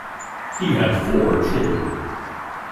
He had four children.